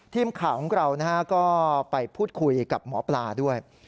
ทีมข่าวของเราก็ไปพูดคุยกับหมอปลาด้วย